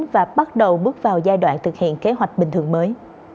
và bắt đầu bước vào giai đoạn thực hiện kế hoạch bình thường mới